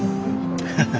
ハハハッ。